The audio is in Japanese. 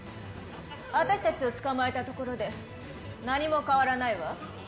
私たちを捕まえたところで、何も変わらないわ。